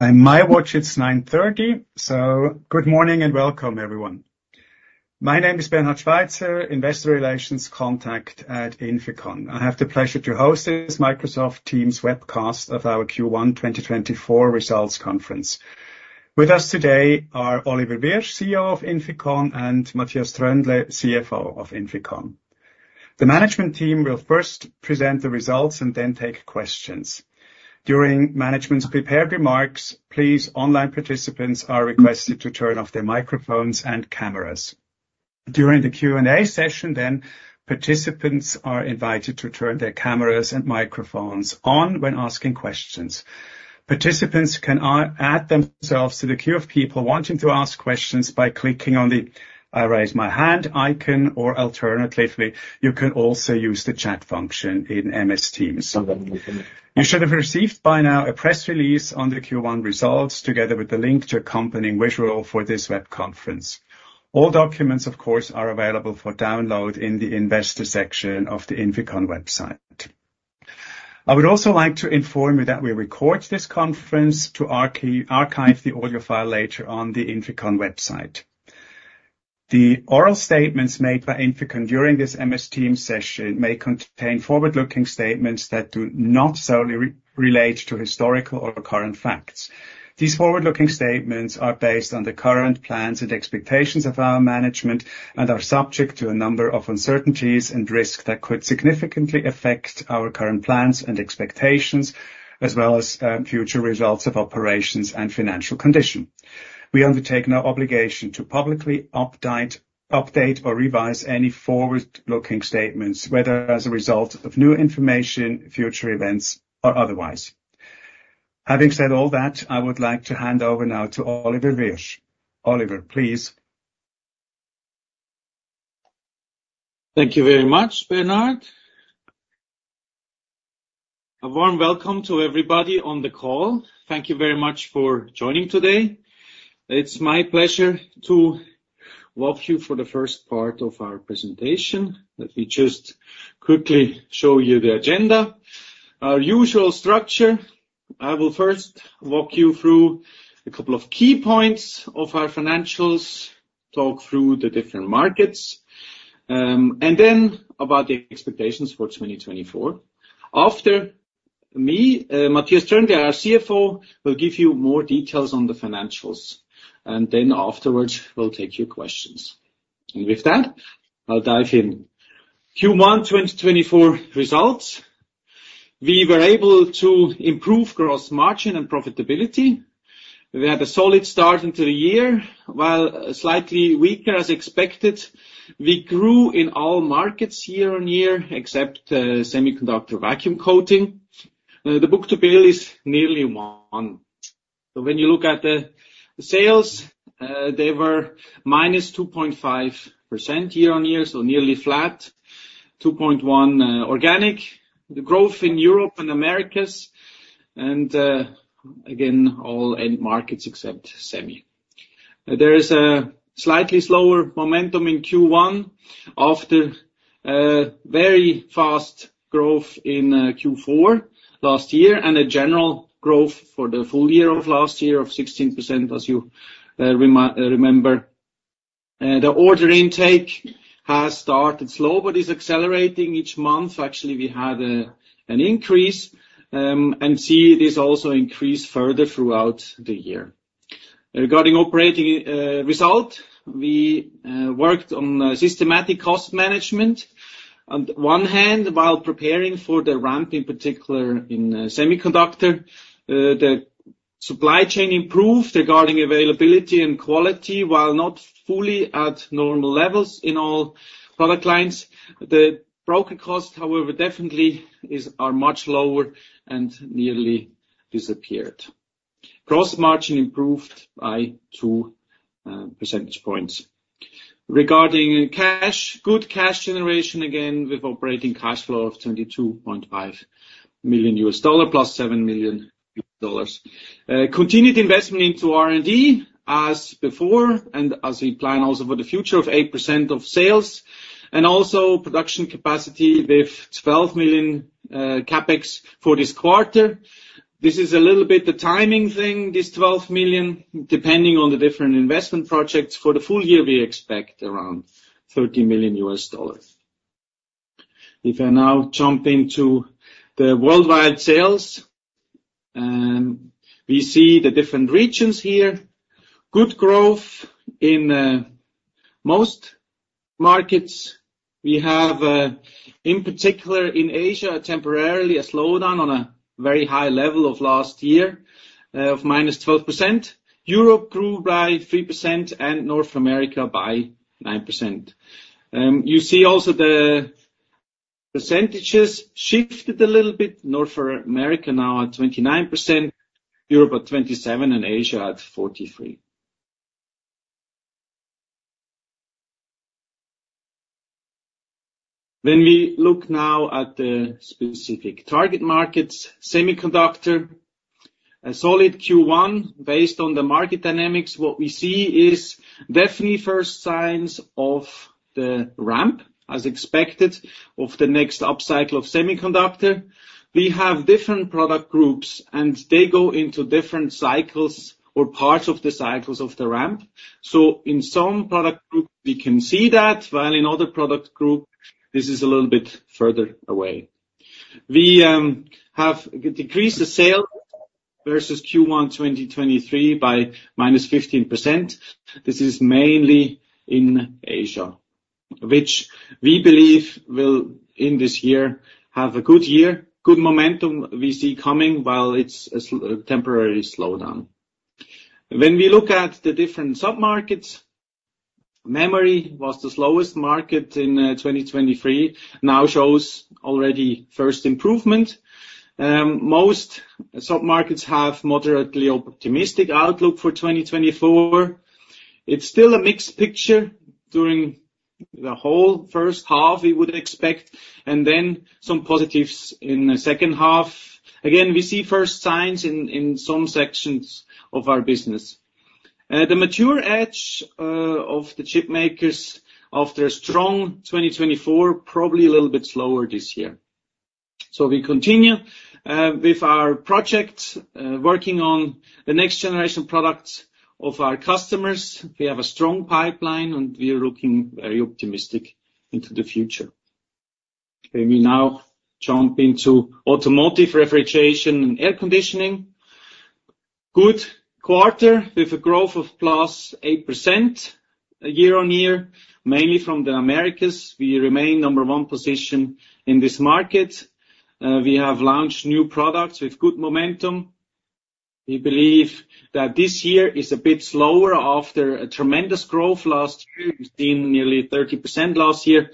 It's 9:30 A.M., so good morning and welcome, everyone. My name is Bernhard Schweizer, Investor Relations Contact at INFICON. I have the pleasure to host this Microsoft Teams webcast of our Q1 2024 results conference. With us today are Oliver Wyrsch, CEO of INFICON, and Matthias Tröndle, CFO of INFICON. The management team will first present the results and then take questions. During management's prepared remarks, please, online participants are requested to turn off their microphones and cameras. During the Q&A session, then, participants are invited to turn their cameras and microphones on when asking questions. Participants can add themselves to the queue of people wanting to ask questions by clicking on the Raise My Hand icon or, alternatively, you can also use the chat function in MS Teams. You should have received by now a press release on the Q1 results together with the link to accompanying visual for this web conference. All documents, of course, are available for download in the Investor section of the INFICON website. I would also like to inform you that we record this conference to archive the audio file later on the INFICON website. The oral statements made by INFICON during this MS Teams session may contain forward-looking statements that do not solely relate to historical or current facts. These forward-looking statements are based on the current plans and expectations of our management and are subject to a number of uncertainties and risks that could significantly affect our current plans and expectations, as well as future results of operations and financial condition. We undertake no obligation to publicly update or revise any forward-looking statements, whether as a result of new information, future events, or otherwise. Having said all that, I would like to hand over now to Oliver Wyrsch. Oliver, please. Thank you very much, Bernhard. A warm welcome to everybody on the call. Thank you very much for joining today. It's my pleasure to walk you through the first part of our presentation. Let me just quickly show you the agenda. Our usual structure: I will first walk you through a couple of key points of our financials, talk through the different markets, and then about the expectations for 2024. After me, Matthias Tröndle, our CFO, will give you more details on the financials, and then afterwards we'll take your questions. And with that, I'll dive in. Q1 2024 results: We were able to improve gross margin and profitability. We had a solid start into the year, while slightly weaker as expected. We grew in all markets year-on-year, except semiconductor vacuum coating. The book-to-bill is nearly one. So when you look at the sales, they were -2.5% year-on-year, so nearly flat, 2.1% organic, the growth in Europe and Americas, and again, all end markets except semi. There is a slightly slower momentum in Q1 after very fast growth in Q4 last year and a general growth for the full year of last year of 16%, as you remember. The order intake has started slow but is accelerating each month. Actually, we had an increase and see this also increase further throughout the year. Regarding operating result, we worked on systematic cost management. On one hand, while preparing for the ramp, in particular in semiconductor, the supply chain improved regarding availability and quality, while not fully at normal levels in all product lines. The broker cost, however, definitely is much lower and nearly disappeared. Gross margin improved by two percentage points. Regarding cash, good cash generation, again, with operating cash flow of $22.5 million + $7 million. Continued investment into R&D as before and as we plan also for the future of 8% of sales, and also production capacity with $12 million CapEx for this quarter. This is a little bit the timing thing, this $12 million. Depending on the different investment projects, for the full year, we expect around $30 million. If I now jump into the worldwide sales, we see the different regions here. Good growth in most markets. We have, in particular in Asia, temporarily a slowdown on a very high level of last year of -12%. Europe grew by 3% and North America by 9%. You see also the percentages shifted a little bit. North America now at 29%, Europe at 27%, and Asia at 43%. When we look now at the specific target markets, semiconductor, a solid Q1 based on the market dynamics, what we see is definitely first signs of the ramp, as expected, of the next upcycle of semiconductor. We have different product groups, and they go into different cycles or parts of the cycles of the ramp. So in some product groups, we can see that, while in other product groups, this is a little bit further away. We have decreased the sales versus Q1 2023 by -15%. This is mainly in Asia, which we believe will, in this year, have a good year, good momentum we see coming, while it's a temporary slowdown. When we look at the different submarkets, memory was the slowest market in 2023, now shows already first improvement. Most submarkets have moderately optimistic outlook for 2024. It's still a mixed picture during the whole first half, we would expect, and then some positives in the second half. Again, we see first signs in some sections of our business. The Mature edge of the chipmakers, after a strong 2024, probably a little bit slower this year. So we continue with our projects, working on the next generation products of our customers. We have a strong pipeline, and we are looking very optimistic into the future. Let me now jump into automotive refrigeration and air conditioning. Good quarter with a growth of +8% year-on-year, mainly from the Americas. We remain number one position in this market. We have launched new products with good momentum. We believe that this year is a bit slower after a tremendous growth last year. We've seen nearly 30% last year.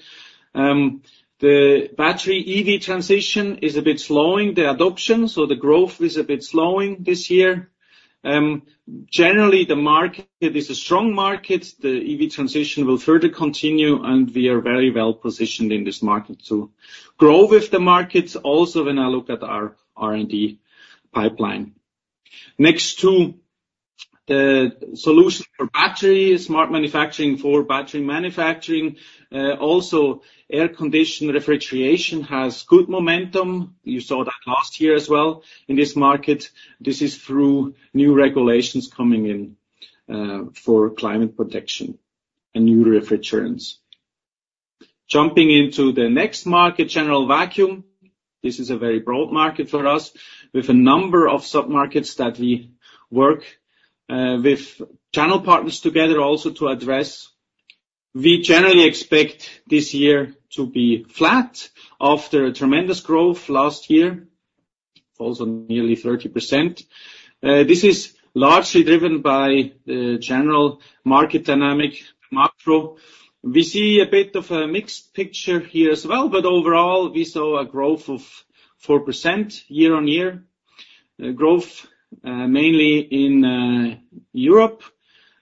The battery EV transition is a bit slowing, the adoption, so the growth is a bit slowing this year. Generally, the market is a strong market. The EV transition will further continue, and we are very well positioned in this market to grow with the markets, also when I look at our R&D pipeline. Next to the solution for battery, smart manufacturing for battery manufacturing, also air condition refrigeration has good momentum. You saw that last year as well in this market. This is through new regulations coming in for climate protection and new refrigerants. Jumping into the next market, general vacuum. This is a very broad market for us with a number of submarkets that we work with channel partners together also to address. We generally expect this year to be flat after a tremendous growth last year, also nearly 30%. This is largely driven by the general market dynamic, macro. We see a bit of a mixed picture here as well, but overall, we saw a growth of 4% year-on-year, growth mainly in Europe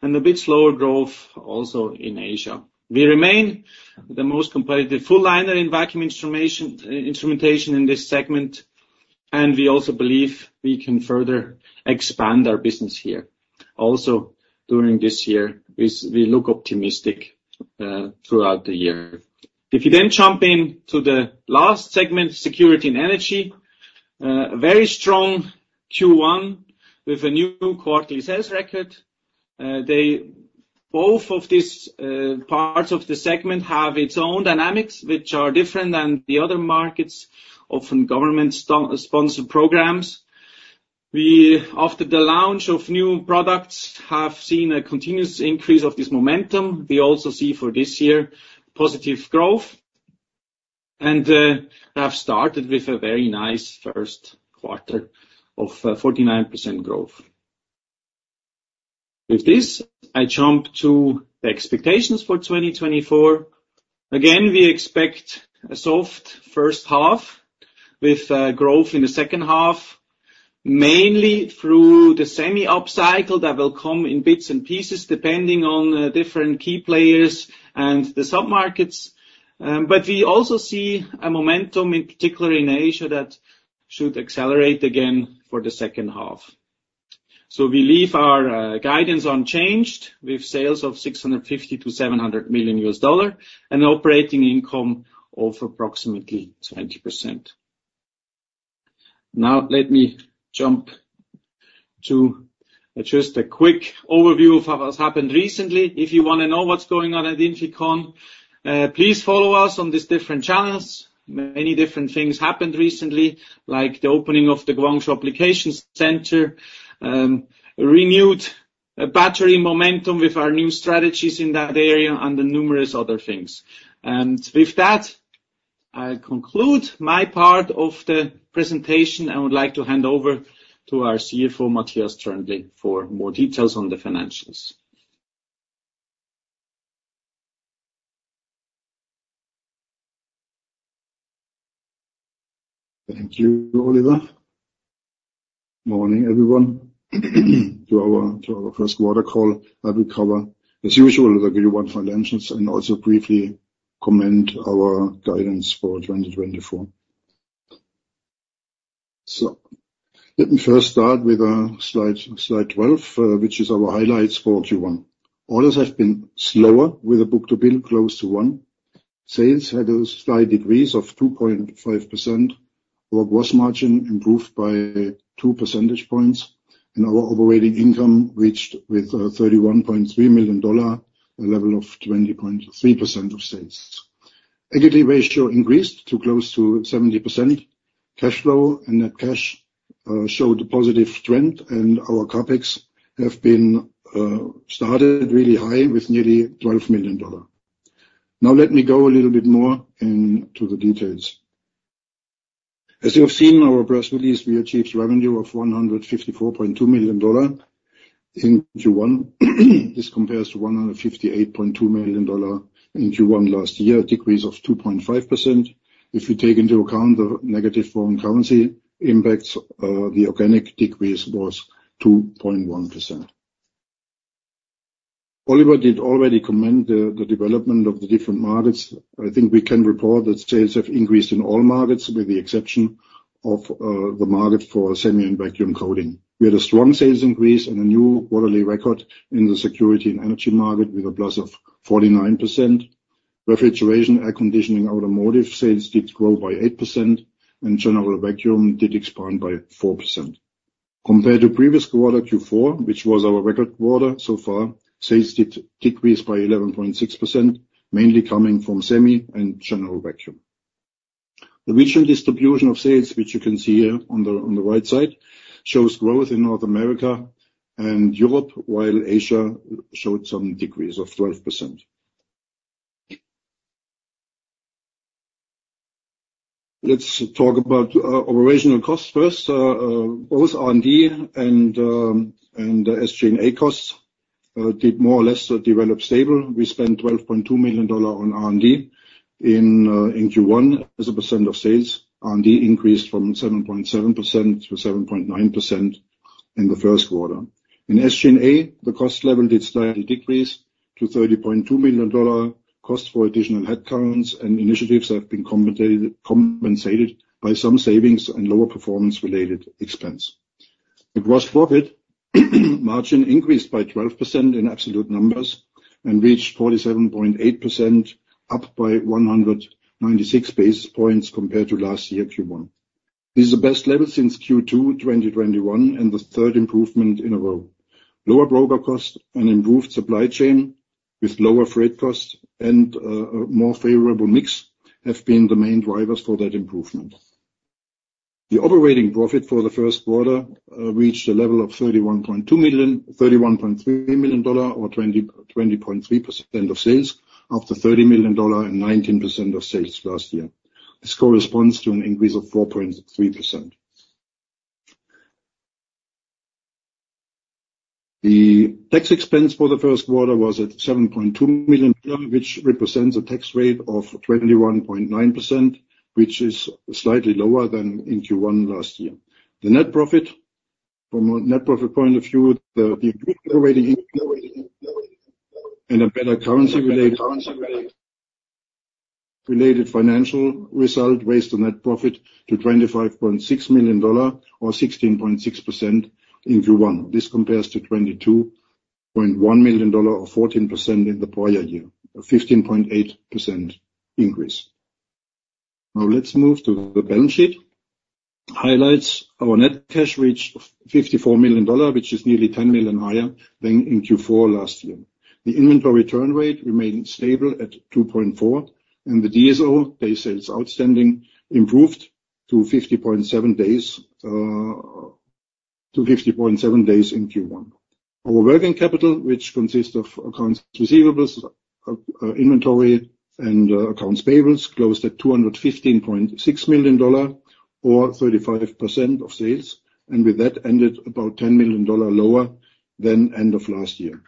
and a bit slower growth also in Asia. We remain the most competitive full liner in vacuum instrumentation in this segment, and we also believe we can further expand our business here. Also, during this year, we look optimistic throughout the year. If you then jump into the last segment, security and energy, very strong Q1 with a new quarterly sales record. Both of these parts of the segment have its own dynamics, which are different than the other markets, often government-sponsored programs. We, after the launch of new products, have seen a continuous increase of this momentum. We also see for this year positive growth and have started with a very nice first quarter of 49% growth. With this, I jump to the expectations for 2024. Again, we expect a soft first half with growth in the second half, mainly through the semi-upcycle that will come in bits and pieces depending on different key players and the submarkets. But we also see a momentum, in particular in Asia, that should accelerate again for the second half. So we leave our guidance unchanged with sales of $650 million-$700 million and operating income of approximately 20%. Now, let me jump to just a quick overview of what's happened recently. If you want to know what's going on at INFICON, please follow us on these different channels. Many different things happened recently, like the opening of the Guangzhou Application Center, renewed battery momentum with our new strategies in that area, and numerous other things. With that, I'll conclude my part of the presentation and would like to hand over to our CFO, Matthias Tröndle, for more details on the financials. Thank you, Oliver. Morning, everyone. To our first quarter call, I'll cover, as usual, the Q1 financials and also briefly comment on our guidance for 2024. So let me first start with slide 12, which is our highlights for Q1. Orders have been slower with a book-to-bill close to one. Sales had a slight decrease of 2.5%. Our gross margin improved by two percentage points, and our operating income reached a $31.3 million level of 20.3% of sales. Equity ratio increased to close to 70%. Cash flow and net cash showed a positive trend, and our CapEx has started really high with nearly $12 million. Now, let me go a little bit more into the details. As you have seen in our press release, we achieved revenue of $154.2 million in Q1. This compares to $158.2 million in Q1 last year, a decrease of 2.5%. If you take into account the negative foreign currency impacts, the organic decrease was 2.1%. Oliver did already comment the development of the different markets. I think we can report that sales have increased in all markets with the exception of the market for semi and vacuum coating. We had a strong sales increase and a new quarterly record in the security and energy market with a plus of 49%. Refrigeration, air conditioning, automotive sales did grow by 8%, and general vacuum did expand by 4%. Compared to previous quarter Q4, which was our record quarter so far, sales did decrease by 11.6%, mainly coming from semi and general vacuum. The regional distribution of sales, which you can see here on the right side, shows growth in North America and Europe, while Asia showed some decrease of 12%. Let's talk about operational costs first. Both R&D and SG&A costs did more or less develop stable. We spent $12.2 million on R&D in Q1 as a percent of sales. R&D increased from 7.7% to 7.9% in the first quarter. In SG&A, the cost level did slightly decrease to $30.2 million cost for additional headcounts, and initiatives have been compensated by some savings and lower performance-related expense. Gross profit margin increased by 12% in absolute numbers and reached 47.8%, up by 196 basis points compared to last year Q1. This is the best level since Q2 2021 and the third improvement in a row. Lower broker cost and improved supply chain with lower freight costs and a more favorable mix have been the main drivers for that improvement. The operating profit for the first quarter reached a level of $31.3 million or 20.3% of sales after $30 million and 19% of sales last year. This corresponds to an increase of 4.3%. The tax expense for the first quarter was at $7.2 million, which represents a tax rate of 21.9%, which is slightly lower than in Q1 last year. The net profit, from a net profit point of view, the increased operating and a better currency-related financial result raised the net profit to $25.6 million or 16.6% in Q1. This compares to $22.1 million or 14% in the prior year, a 15.8% increase. Now, let's move to the balance sheet. Highlights: our net cash reached $54 million, which is nearly $10 million higher than in Q4 last year. The inventory turn rate remained stable at 2.4, and the DSO, day sales outstanding, improved to 50.7 days in Q1. Our working capital, which consists of accounts receivables, inventory, and accounts payables, closed at $215.6 million or 35% of sales and with that ended about $10 million lower than end of last year.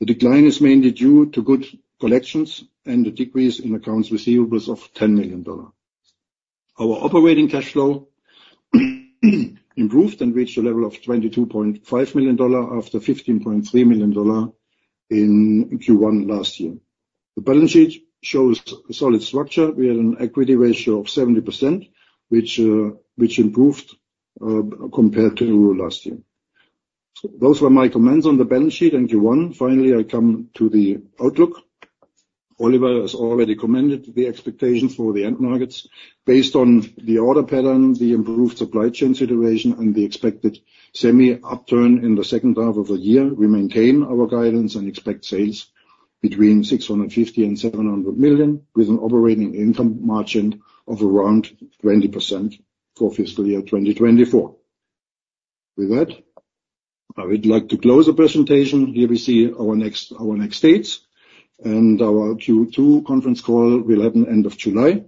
The decline is mainly due to good collections and a decrease in accounts receivables of $10 million. Our operating cash flow improved and reached a level of $22.5 million after $15.3 million in Q1 last year. The balance sheet shows a solid structure. We had an equity ratio of 70%, which improved compared to last year. Those were my comments on the balance sheet and Q1. Finally, I come to the outlook. Oliver has already commented the expectations for the end markets. Based on the order pattern, the improved supply chain situation, and the expected semi-upturn in the second half of the year, we maintain our guidance and expect sales between $650 million and $700 million with an operating income margin of around 20% for fiscal year 2024. With that, I would like to close the presentation. Here we see our next dates, and our Q2 conference call will happen end of July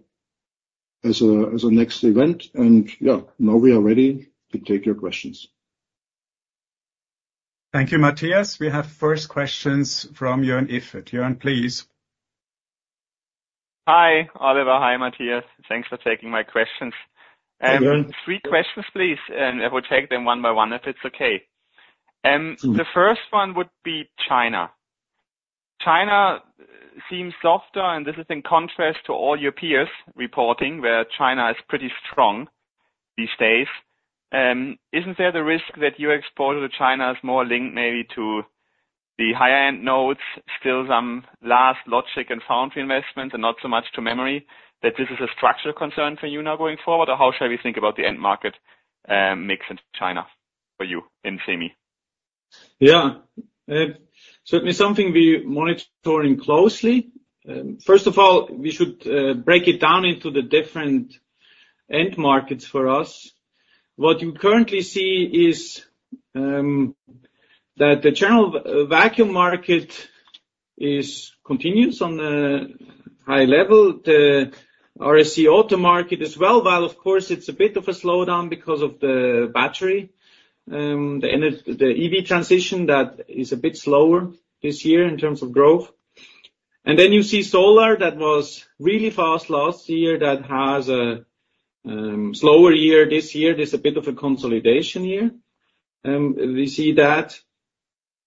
as a next event. And yeah, now we are ready to take your questions. Thank you, Matthias. We have first questions from Jörn Iffert. Jörn, please. Hi, Oliver. Hi, Matthias. Thanks for taking my questions. Three questions, please, and I will take them one by one if it's okay. The first one would be China. China seems softer, and this is in contrast to all your peers reporting where China is pretty strong these days. Isn't there the risk that your exposure to China is more linked maybe to the higher-end nodes, still some last logic and foundry investments, and not so much to memory, that this is a structural concern for you now going forward, or how should we think about the end market mix in China for you in semi? Yeah. Certainly, something we're monitoring closely. First of all, we should break it down into the different end markets for us. What you currently see is that the general vacuum market continues on the high level. The RAC auto market as well, while, of course, it's a bit of a slowdown because of the battery, the EV transition that is a bit slower this year in terms of growth. And then you see solar that was really fast last year, that has a slower year this year. There's a bit of a consolidation year. We see that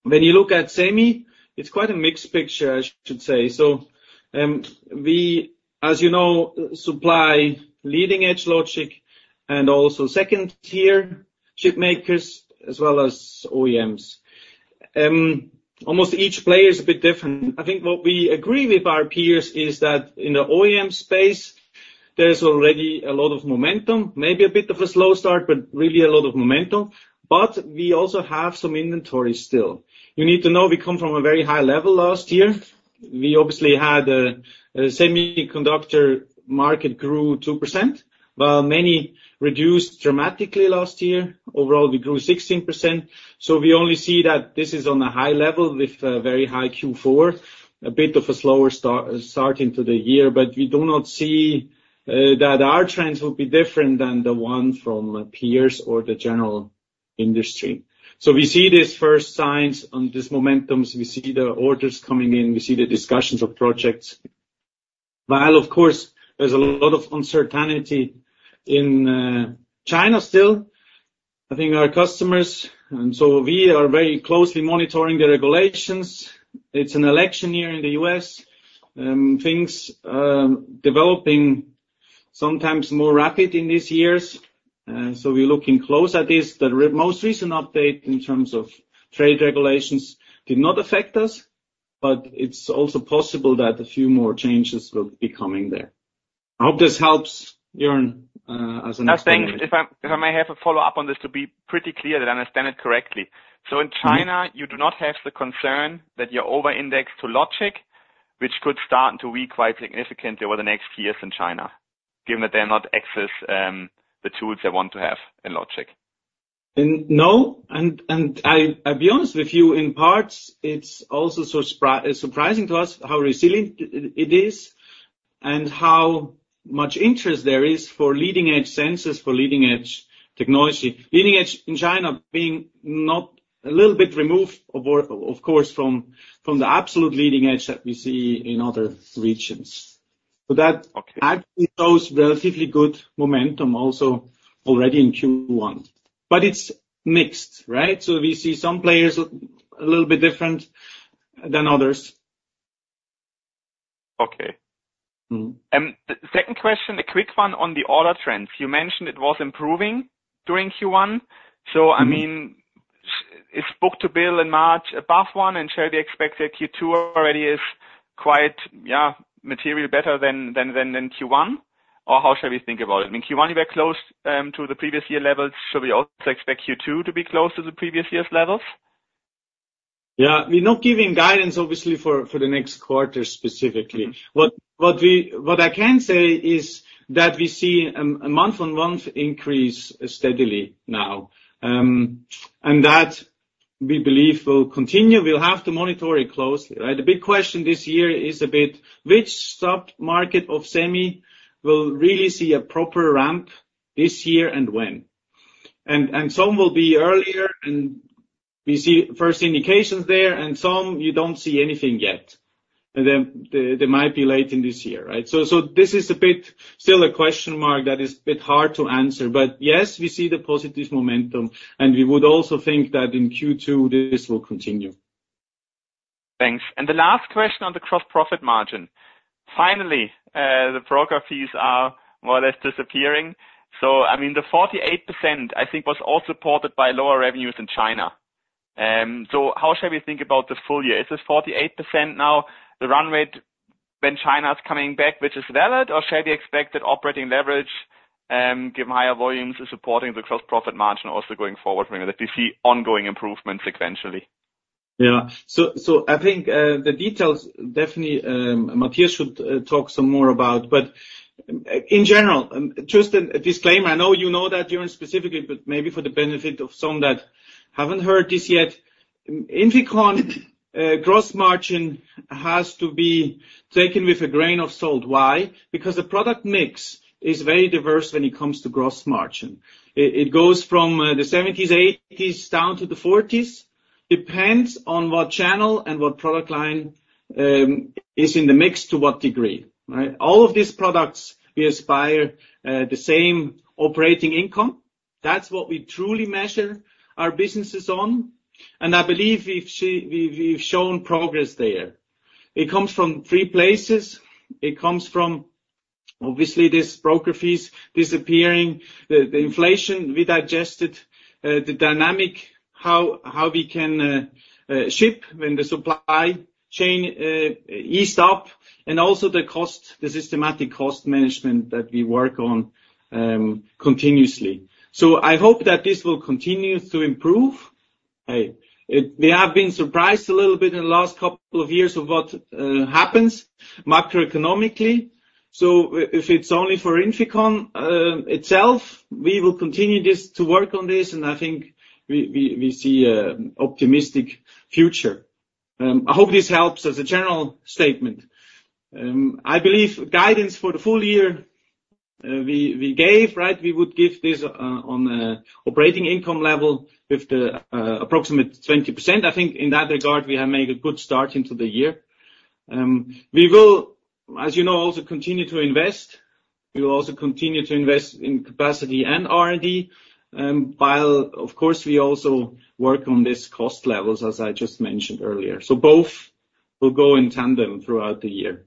when you look at semi, it's quite a mixed picture, I should say. So we, as you know, supply leading-edge logic and also second-tier chipmakers as well as OEMs. Almost each player is a bit different. I think what we agree with our peers is that in the OEM space, there's already a lot of momentum, maybe a bit of a slow start, but really a lot of momentum. But we also have some inventory still. You need to know we come from a very high level last year. We obviously had a semiconductor market grew 2%, while many reduced dramatically last year. Overall, we grew 16%. So we only see that this is on a high level with a very high Q4, a bit of a slower start into the year. But we do not see that our trends will be different than the one from peers or the general industry. So we see these first signs on these momentums. We see the orders coming in. We see the discussions of projects. While, of course, there's a lot of uncertainty in China still. I think our customers, and so we, are very closely monitoring the regulations. It's an election year in the U.S. Things developing sometimes more rapid in these years. So we're looking close at this. The most recent update in terms of trade regulations did not affect us, but it's also possible that a few more changes will be coming there. I hope this helps, Jörn, as an expert. Last thing, if I may have a follow-up on this to be pretty clear that I understand it correctly. So in China, you do not have the concern that you're over-indexed to logic, which could start to weaken quite significantly over the next years in China, given that they're not accessing the tools they want to have in logic? No. And I'll be honest with you. In part, it's also surprising to us how resilient it is and how much interest there is for leading-edge sensors, for leading-edge technology, leading-edge in China being not a little bit removed, of course, from the absolute leading edge that we see in other regions. So that actually shows relatively good momentum also already in Q1. But it's mixed, right? So, we see some players a little bit different than others. Okay. Second question, a quick one on the order trends. You mentioned it was improving during Q1. So I mean, it's book-to-bill in March above 1, and should we expect that Q2 already is quite, yeah, materially better than Q1, or how should we think about it? I mean, Q1, you were close to the previous year levels. Should we also expect Q2 to be close to the previous year's levels? Yeah. I mean, not giving guidance, obviously, for the next quarter specifically. What I can say is that we see a month-on-month increase steadily now, and that we believe will continue. We'll have to monitor it closely, right? The big question this year is a bit which submarket of semi will really see a proper ramp this year and when? And some will be earlier, and we see first indications there, and some, you don't see anything yet. And then they might be late in this year, right? So this is a bit still a question mark that is a bit hard to answer. But yes, we see the positive momentum, and we would also think that in Q2, this will continue. Thanks. The last question on the gross-profit margin. Finally, the broker fees are more or less disappearing. So I mean, the 48%, I think, was all supported by lower revenues in China. So how should we think about the full year? Is this 48% now the run rate when China is coming back, which is valid, or should we expect that operating leverage, given higher volumes, is supporting the gross-profit margin also going forward, meaning that we see ongoing improvements sequentially? Yeah. So I think the details definitely Matthias should talk some more about. But in general, just a disclaimer. I know you know that, Jörn, specifically, but maybe for the benefit of some that haven't heard this yet, INFICON gross margin has to be taken with a grain of salt. Why? Because the product mix is very diverse when it comes to gross margin. It goes from the '70s, '80s down to the '40s. Depends on what channel and what product line is in the mix to what degree, right? All of these products, we aspire the same operating income. That's what we truly measure our businesses on. And I believe we've shown progress there. It comes from three places. It comes from, obviously, these broker fees disappearing, the inflation we digested, the dynamic, how we can ship when the supply chain eased up, and also the systematic cost management that we work on continuously. So I hope that this will continue to improve. We have been surprised a little bit in the last couple of years of what happens macroeconomically. So if it's only for INFICON itself, we will continue to work on this, and I think we see an optimistic future. I hope this helps as a general statement. I believe guidance for the full year we gave, right? We would give this on an operating income level with the approximate 20%. I think in that regard, we have made a good start into the year. We will, as you know, also continue to invest. We will also continue to invest in capacity and R&D, while, of course, we also work on these cost levels, as I just mentioned earlier. So both will go in tandem throughout the year.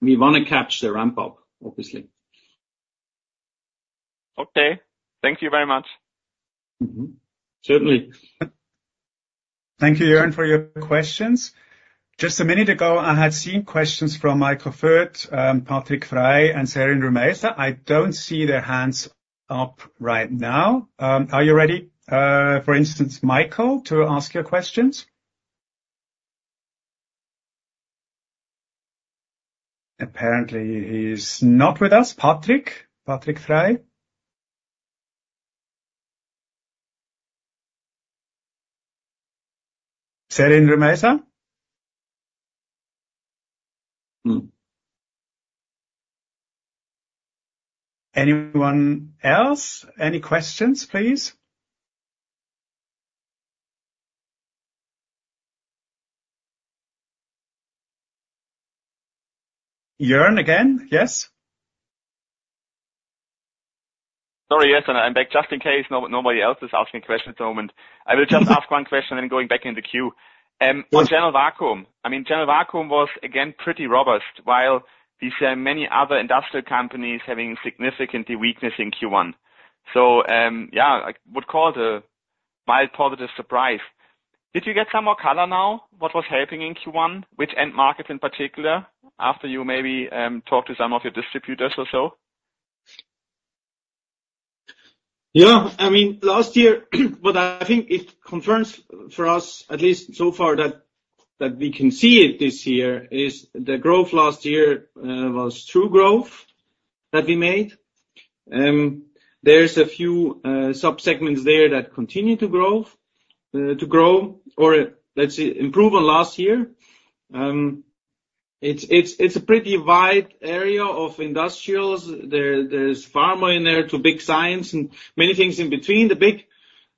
We want to catch the ramp-up, obviously. Okay. Thank you very much. Certainly. Thank you, Jörn, for your questions. Just a minute ago, I had seen questions from Michael Foeth, Patrick Frey, and Serin Rumesa. I don't see their hands up right now. Are you ready, for instance, Michael, to ask your questions? Apparently, he's not with us. Patrick? Patrick Frey? Serin Rumesa? Anyone else? Any questions, please? Jörn again? Yes? Sorry. Yes. And I'm back just in case nobody else is asking questions at the moment. I will just ask one question and then going back in the queue. On general vacuum, I mean, general vacuum was, again, pretty robust while we saw many other industrial companies having significantly weakness in Q1. So yeah, I would call it a mild positive surprise. Did you get some more color now? What was helping in Q1, which end markets in particular, after you maybe talked to some of your distributors or so? Yeah. I mean, last year, what I think it concerns for us, at least so far that we can see it this year, is the growth last year was true growth that we made. There's a few subsegments there that continue to grow or, let's say, improve on last year. It's a pretty wide area of industrials. There's pharma in there to big science and many things in between. The big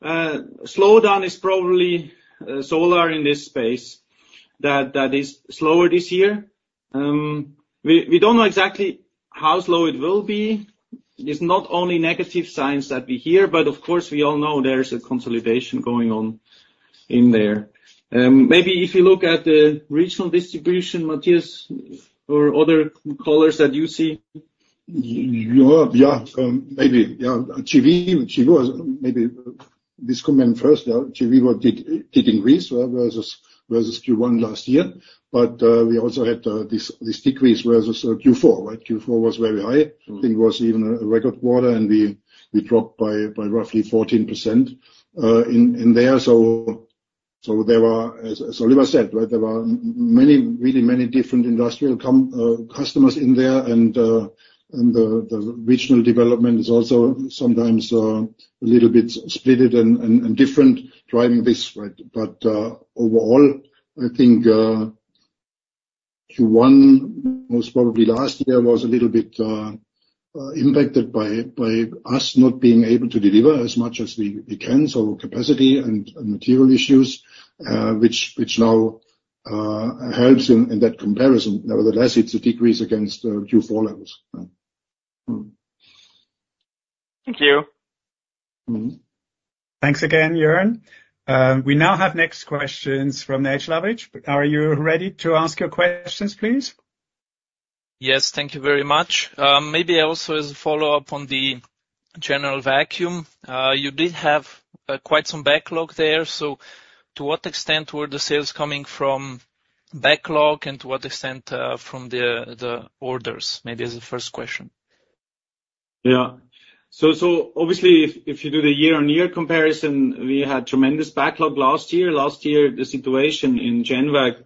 slowdown is probably solar in this space that is slower this year. We don't know exactly how slow it will be. It's not only negative science that we hear, but of course, we all know there's a consolidation going on in there. Maybe if you look at the regional distribution, Matthias, or other callers that you see. Yeah. Yeah. Maybe. Yeah. GV, maybe this comment first. GV did increase versus Q1 last year, but we also had this decrease versus Q4, right? Q4 was very high. I think it was even a record quarter, and we dropped by roughly 14% in there. So there were, as Oliver said, right, there were really many different industrial customers in there, and the regional development is also sometimes a little bit splitted and different driving this, right? But overall, I think Q1, most probably last year, was a little bit impacted by us not being able to deliver as much as we can so capacity and material issues, which now helps in that comparison. Nevertheless, it's a decrease against Q4 levels, right? Thank you. Thanks again, Jörn. We now have next questions from the HLABH. Are you ready to ask your questions, please? Yes. Thank you very much. Maybe also as a follow-up on the general vacuum, you did have quite some backlog there. So to what extent were the sales coming from backlog and to what extent from the orders? Maybe as a first question. Yeah. So obviously, if you do the year-on-year comparison, we had tremendous backlog last year. Last year, the situation in Geneva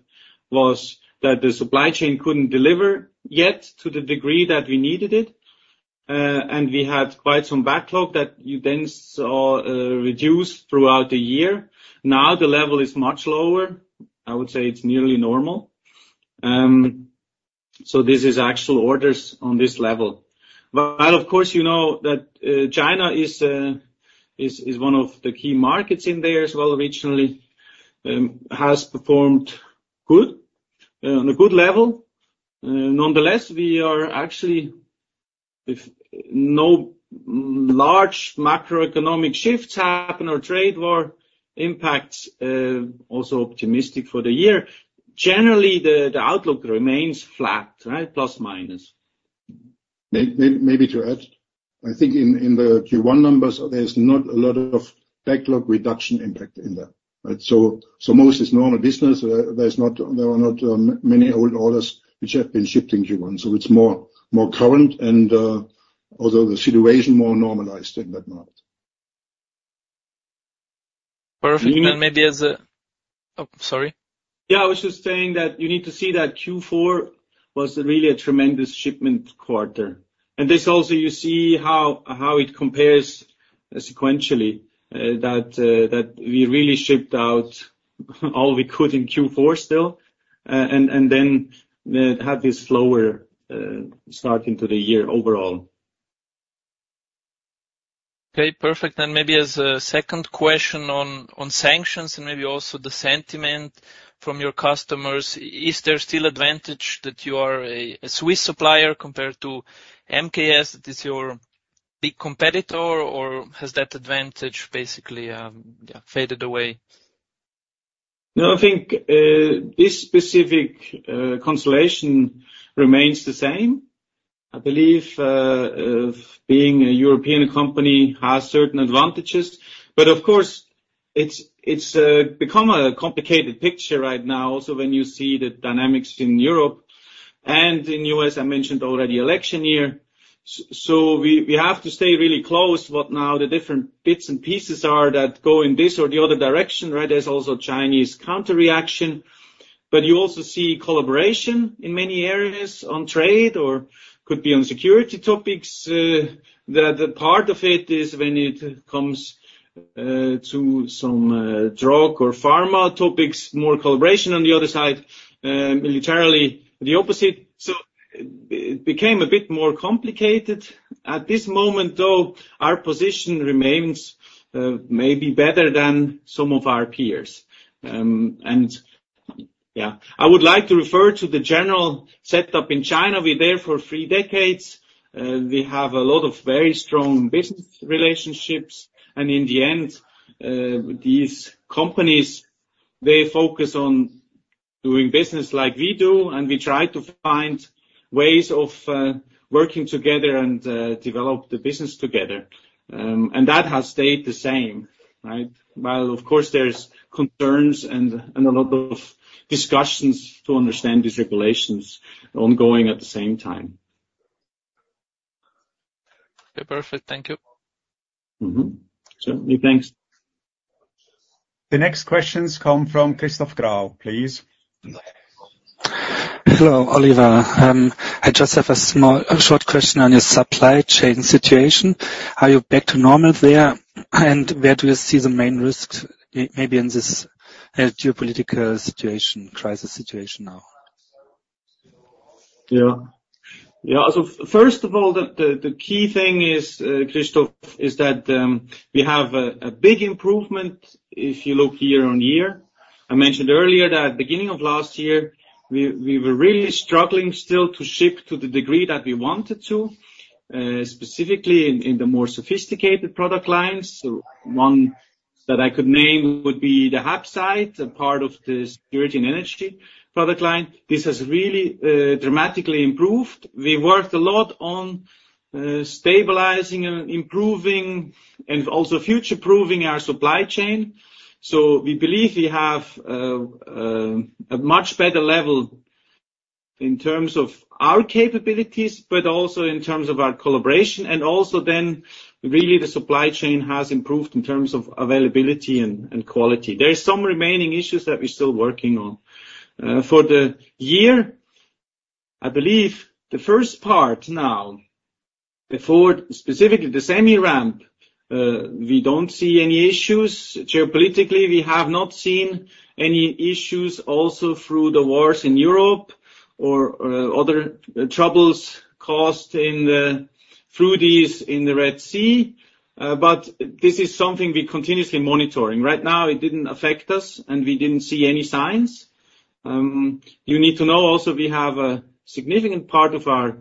was that the supply chain couldn't deliver yet to the degree that we needed it. And we had quite some backlog that you then saw reduce throughout the year. Now, the level is much lower. I would say it's nearly normal. So this is actual orders on this level. While, of course, you know that China is one of the key markets in there as well regionally, has performed good on a good level. Nonetheless, we are actually, if no large macroeconomic shifts happen or trade war impacts, also optimistic for the year. Generally, the outlook remains flat, right, plus-minus. Maybe to add, I think in the Q1 numbers, there's not a lot of backlog reduction impact in there, right? So most is normal business. There are not many old orders which have been shifting Q1. So it's more current and also the situation more normalized in that market. Perfect. And maybe as a, oh, sorry. Yeah. I was just saying that you need to see that Q4 was really a tremendous shipment quarter. This also, you see how it compares sequentially, that we really shipped out all we could in Q4 still and then had this slower start into the year overall. Okay. Perfect. Maybe as a second question on sanctions and maybe also the sentiment from your customers, is there still advantage that you are a Swiss supplier compared to MKS, that is your big competitor, or has that advantage basically, yeah, faded away? No. I think this specific constellation remains the same. I believe being a European company has certain advantages. But of course, it's become a complicated picture right now also when you see the dynamics in Europe. In the U.S., I mentioned already election year. We have to stay really close what now the different bits and pieces are that go in this or the other direction, right? There's also Chinese counterreaction. But you also see collaboration in many areas on trade or could be on security topics that part of it is when it comes to some drug or pharma topics, more collaboration on the other side, militarily, the opposite. So it became a bit more complicated. At this moment, though, our position remains maybe better than some of our peers. Yeah, I would like to refer to the general setup in China. We're there for three decades. We have a lot of very strong business relationships. In the end, these companies, they focus on doing business like we do, and we try to find ways of working together and develop the business together. That has stayed the same, right? While, of course, there's concerns and a lot of discussions to understand these regulations ongoing at the same time. Okay. Perfect. Thank you. Certainly. Thanks. The next questions come from Christoph Graue, please. Hello, Oliver. I just have a short question on your supply chain situation. Are you back to normal there, and where do you see the main risks maybe in this geopolitical situation, crisis situation now? Yeah. Yeah. So first of all, the key thing, Christoph, is that we have a big improvement if you look year-on-year. I mentioned earlier that at the beginning of last year, we were really struggling still to ship to the degree that we wanted to, specifically in the more sophisticated product lines. So one that I could name would be the HAPSITE, a part of the security and energy product line. This has really dramatically improved. We worked a lot on stabilizing and improving and also future-proving our supply chain. So we believe we have a much better level in terms of our capabilities, but also in terms of our collaboration. And also then, really, the supply chain has improved in terms of availability and quality. There are some remaining issues that we're still working on for the year. I believe the first part now, specifically the semi-ramp, we don't see any issues. Geopolitically, we have not seen any issues also through the wars in Europe or other troubles caused through these in the Red Sea. But this is something we're continuously monitoring. Right now, it didn't affect us, and we didn't see any signs. You need to know also, we have a significant part of our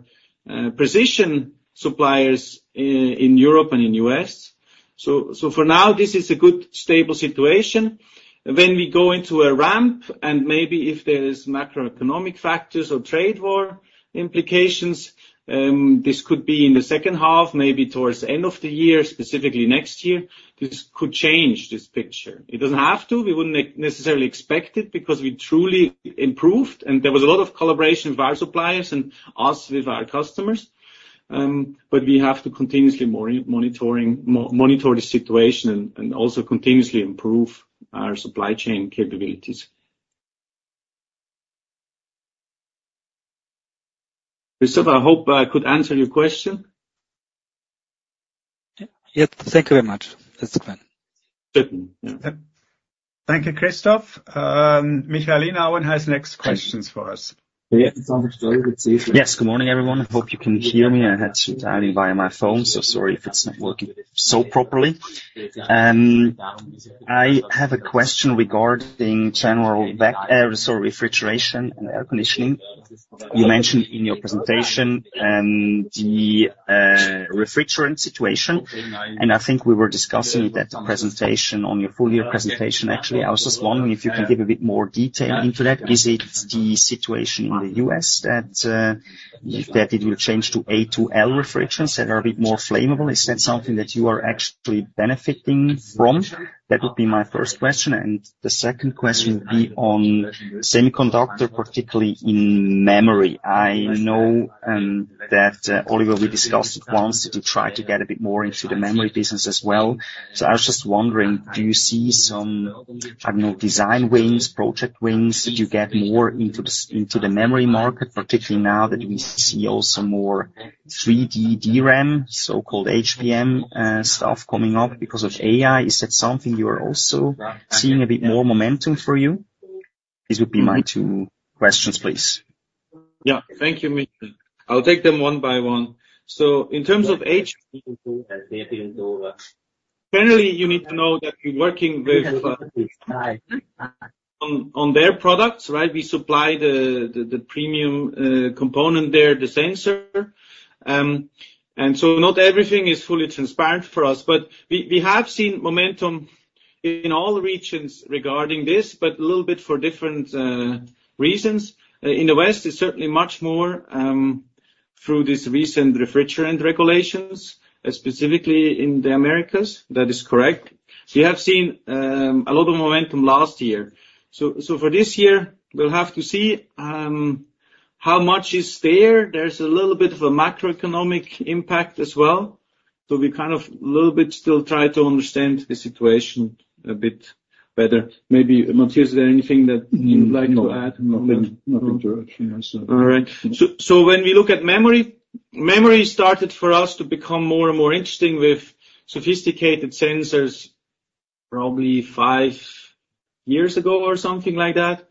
precision suppliers in Europe and in the U.S. So for now, this is a good stable situation. When we go into a ramp and maybe if there are macroeconomic factors or trade war implications, this could be in the second half, maybe towards the end of the year, specifically next year, this could change this picture. It doesn't have to. We wouldn't necessarily expect it because we truly improved, and there was a lot of collaboration with our suppliers and us with our customers. But we have to continuously monitor the situation and also continuously improve our supply chain capabilities. Christoph, I hope I could answer your question. Yep. Thank you very much. That's fine. Certainly. Yeah. Thank you, Christoph. Michael Inauen has next questions for us. Yes. Good morning, everyone. I hope you can hear me. I had to dial in via my phone, so sorry if it's not working so properly. I have a question regarding refrigeration and air conditioning. You mentioned in your presentation the refrigerant situation. And I think we were discussing it at the presentation, on your full-year presentation, actually. I was just wondering if you can give a bit more detail into that. Is it the situation in the U.S. that it will change to A2L refrigerants that are a bit more flammable? Is that something that you are actually benefiting from? That would be my first question. And the second question would be on semiconductor, particularly in memory. I know that, Oliver, we discussed it once. Did you try to get a bit more into the memory business as well? So I was just wondering, do you see some, I don't know, design wins, project wins? Did you get more into the memory market, particularly now that we see also more 3D DRAM, so-called HBM stuff coming up because of AI? Is that something you are also seeing a bit more momentum for you? These would be my two questions, please. Yeah. Thank you, Michael. I'll take them one by one. So in terms of HBM, generally, you need to know that we're working with on their products, right? We supply the premium component there, the sensor. And so not everything is fully transparent for us, but we have seen momentum in all regions regarding this, but a little bit for different reasons. In the West, it's certainly much more through these recent refrigerant regulations, specifically in the Americas. That is correct. We have seen a lot of momentum last year. So for this year, we'll have to see how much is there. There's a little bit of a macroeconomic impact as well. So we kind of a little bit still try to understand the situation a bit better. Maybe, Matthias, is there anything that you'd like to add? Nothing. Nothing to add. All right. So when we look at memory, memory started for us to become more and more interesting with sophisticated sensors probably five years ago or something like that.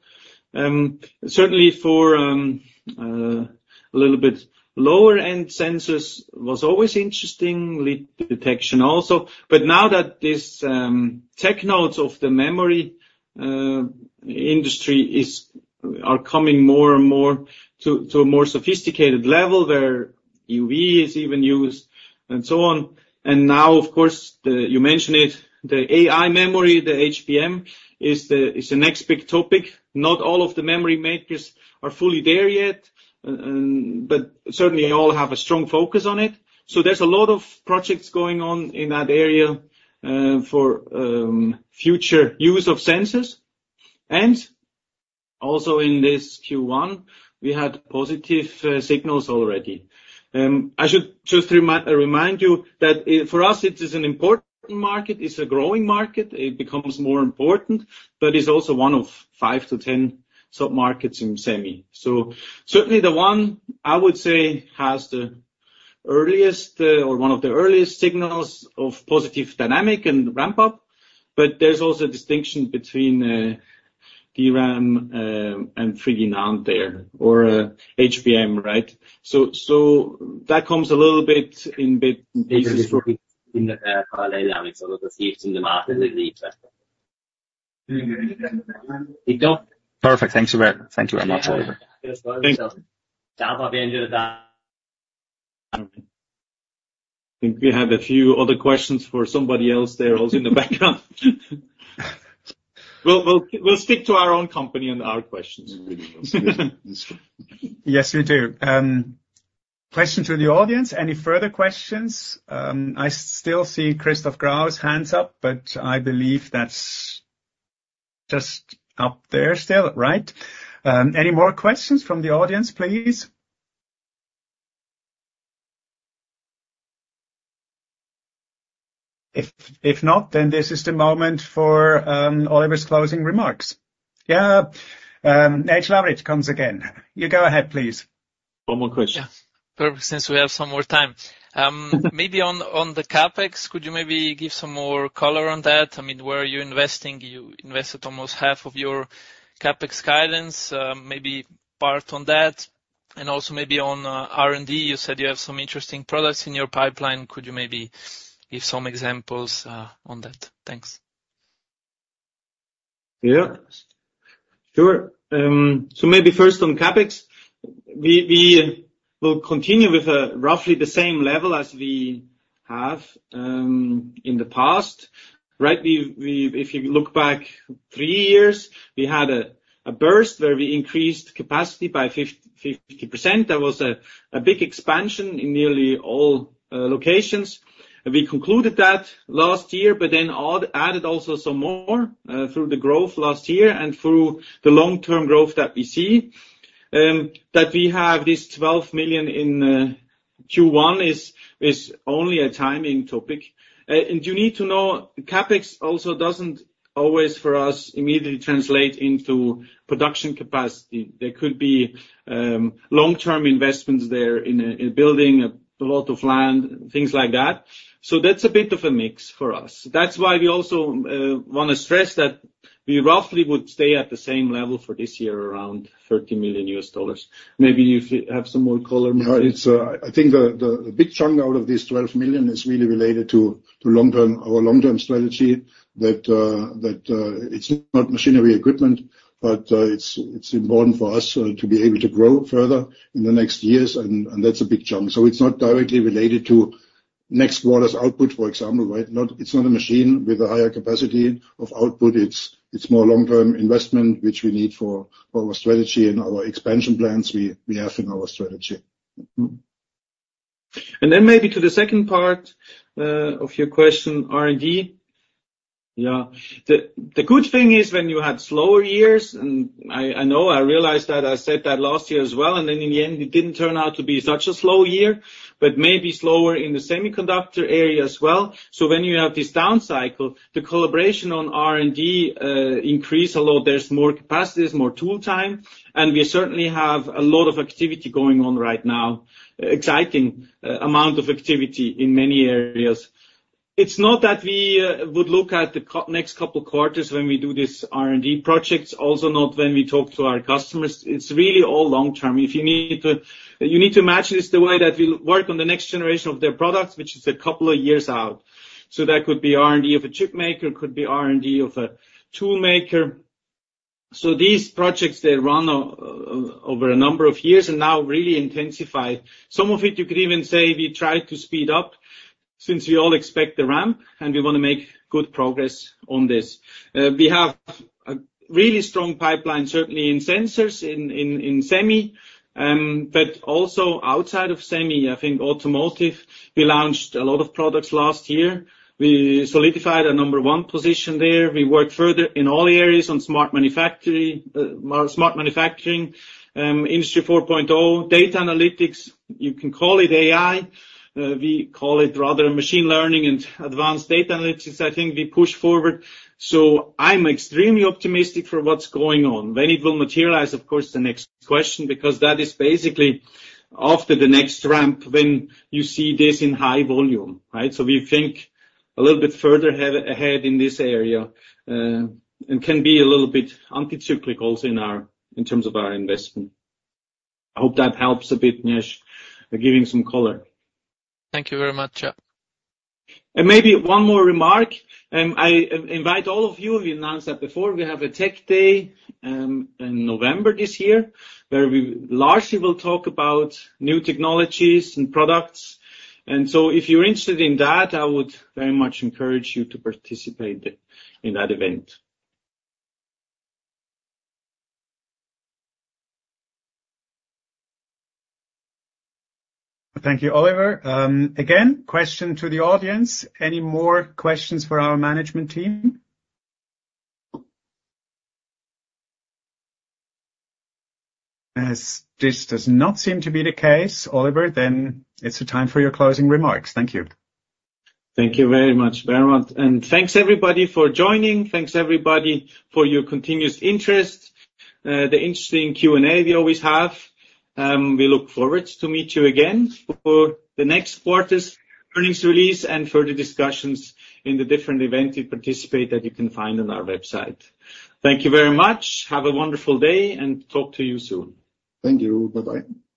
Certainly, for a little bit lower-end sensors, it was always interesting, leak detection also. But now that these tech nodes of the memory industry are coming more and more to a more sophisticated level where EUV is even used and so on. And now, of course, you mentioned it. The AI memory, the HBM, is the next big topic. Not all of the memory makers are fully there yet, but certainly, they all have a strong focus on it. So there's a lot of projects going on in that area for future use of sensors. And also in this Q1, we had positive signals already. I should just remind you that for us, it is an important market. It's a growing market. It becomes more important, but it's also one of five-10 submarkets in semi. So certainly, the one, I would say, has the earliest or one of the earliest signals of positive dynamic and ramp-up. But there's also a distinction between DRAM and 3D NAND there or HBM, right? So that comes a little bit in bits and pieces through. This is in the parallel elements. A lot of shifts in the market later. Perfect. Thank you very much, Oliver. Think we have a few other questions for somebody else there also in the background. We'll stick to our own company and our questions. Yes, we do. Questions from the audience? Any further questions? I still see Christoph Graue hands up, but I believe that's just up there still, right? Any more questions from the audience, please? If not, then this is the moment for Oliver's closing remarks. Yeah. Nate Leverett comes again. You go ahead, please. One more question. Yeah. Perfect. Since we have some more time, maybe on the CapEx, could you maybe give some more color on that? I mean, where are you investing? You invested almost half of your CapEx guidance, maybe part on that. And also maybe on R&D, you said you have some interesting products in your pipeline. Could you maybe give some examples on that? Thanks. Yeah. Sure. So maybe first on CapEx, we will continue with roughly the same level as we have in the past, right? If you look back three years, we had a burst where we increased capacity by 50%. That was a big expansion in nearly all locations. We concluded that last year, but then added also some more through the growth last year and through the long-term growth that we see. That we have these $12 million in Q1 is only a timing topic. And you need to know, CapEx also doesn't always for us immediately translate into production capacity. There could be long-term investments there in building a lot of land, things like that. So that's a bit of a mix for us. That's why we also want to stress that we roughly would stay at the same level for this year, around $30 million. Maybe you have some more color on that. Yeah. I think the big chunk out of these $12 million is really related to our long-term strategy that it's not machinery equipment, but it's important for us to be able to grow further in the next years. And that's a big chunk. So it's not directly related to next quarter's output, for example, right? It's not a machine with a higher capacity of output. It's more long-term investment, which we need for our strategy and our expansion plans we have in our strategy. And then maybe to the second part of your question, R&D. Yeah. The good thing is when you had slower years and I know I realized that. I said that last year as well. And then in the end, it didn't turn out to be such a slow year, but maybe slower in the semiconductor area as well. So when you have this downcycle, the collaboration on R&D increased a lot. There's more capacities, more tool time. And we certainly have a lot of activity going on right now, exciting amount of activity in many areas. It's not that we would look at the next couple of quarters when we do these R&D projects, also not when we talk to our customers. It's really all long-term. If you need to imagine it's the way that we'll work on the next generation of their products, which is a couple of years out. So that could be R&D of a chip maker. It could be R&D of a tool maker. So these projects, they run over a number of years and now really intensify. Some of it, you could even say we tried to speed up since we all expect the ramp, and we want to make good progress on this. We have a really strong pipeline, certainly in sensors, in semi, but also outside of semi. I think automotive, we launched a lot of products last year. We solidified our number one position there. We worked further in all areas on smart manufacturing, Industry 4.0, data analytics. You can call it AI. We call it rather machine learning and advanced data analytics. I think we push forward. So I'm extremely optimistic for what's going on. When it will materialize, of course, the next question because that is basically after the next ramp when you see this in high volume, right? So we think a little bit further ahead in this area and can be a little bit anticyclical in terms of our investment. I hope that helps a bit, Matt, giving some color. Thank you very much. Yeah. Maybe one more remark. I invite all of you. We announced that before. We have a tech day in November this year where we largely will talk about new technologies and products. And so if you're interested in that, I would very much encourage you to participate in that event. Thank you, Oliver. Again, question to the audience. Any more questions for our management team? As this does not seem to be the case, Oliver, then it's the time for your closing remarks. Thank you. Thank you very much, Bernhard. Thanks, everybody, for joining. Thanks, everybody, for your continuous interest, the interesting Q&A we always have. We look forward to meeting you again for the next quarter's earnings release and further discussions in the different events you participate that you can find on our website. Thank you very much. Have a wonderful day, and talk to you soon. Thank you. Bye-bye.